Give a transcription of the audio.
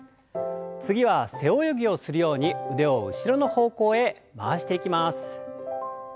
次は背泳ぎをするように腕を後ろの方向へ回していきます。